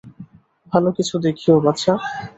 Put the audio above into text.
ভালো কিছু দেখিও, বাছা।